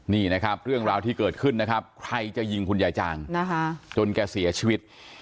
นี่นะครับเรื่องราวที่เกิดขึ้นนะครับใครจะยิงคุณยายจางนะคะจนแกเสียชีวิต